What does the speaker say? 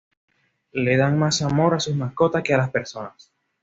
Le dan mas amor a sus mascotas que a las personas.